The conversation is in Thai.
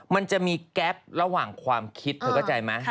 มันจะมีแก๊ประหว่างความคิดเธอเข้าใจไหม